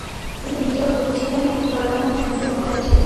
তিনি নিজেও সূফি ছিলেন এবং সৈয়দ আহমদ শহীদের অনুসারী ছিলেন।